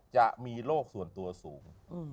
จะมีโรคส่วนตัวสูง